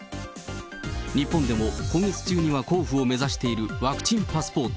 日本でも、今月中には交付を目指しているワクチンパスポート。